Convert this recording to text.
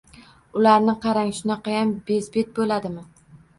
Ularni qarang, shunaqayam bezbet bo’ladimi